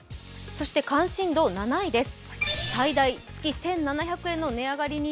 そして関心度６位です。